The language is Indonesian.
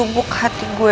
yang buk hati gue